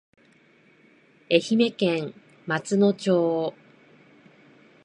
愛媛県松野町